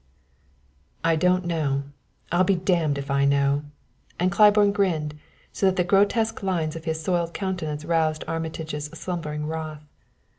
"I don't know I'll be damned if I know!" and Claiborne grinned, so that the grotesque lines of his soiled countenance roused Armitage's slumbering wrath.